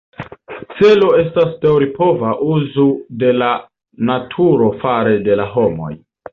Celo estas daŭripova uzu de la naturo fare de la homoj.